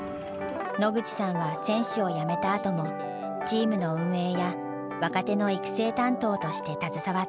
野口さんは選手をやめたあともチームの運営や若手の育成担当として携わった。